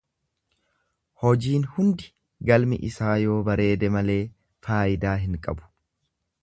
Hojiin hundi galmi isaa yoo bareede malee faayidaa hin qabu.